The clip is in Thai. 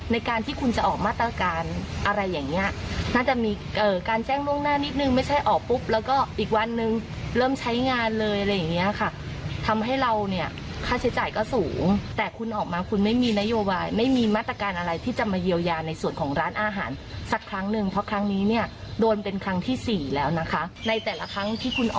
ในการที่คุณจะออกมาตรการอะไรอย่างเงี้ยน่าจะมีการแจ้งล่วงหน้านิดนึงไม่ใช่ออกปุ๊บแล้วก็อีกวันนึงเริ่มใช้งานเลยอะไรอย่างเงี้ยค่ะทำให้เราเนี่ยค่าใช้จ่ายก็สูงแต่คุณออกมาคุณไม่มีนโยบายไม่มีมาตรการอะไรที่จะมาเยียวยาในส่วนของร้านอาหารสักครั้งหนึ่งเพราะครั้งนี้เนี่ยโดนเป็นครั้งที่สี่แล้วนะคะในแต่ละครั้งที่คุณอ